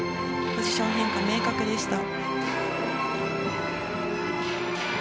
ポジション変化、明確でした。